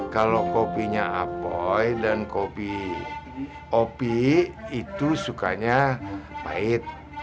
kalau kopinya apoi dan kopi opi itu sukanya pahit